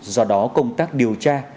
do đó công tác điều tra